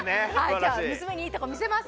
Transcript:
今日は娘にいいとこ見せます。